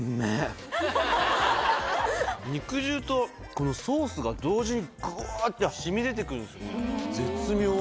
肉汁とこのソースが同時にぐっと染み出てくる絶妙。